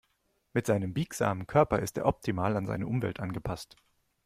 Mit seinem biegsamen Körper ist er optimal an seine Umwelt angepasst.